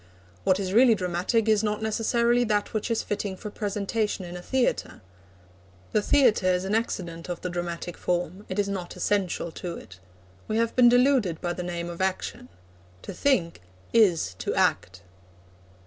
What is really dramatic is not necessarily that which is fitting for presentation in a theatre. The theatre is an accident of the dramatic form. It is not essential to it. We have been deluded by the name of action. To think is to act.